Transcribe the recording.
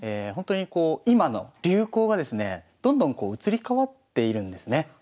ほんとにこう今の流行がですねどんどんこう移り変わっているんですね。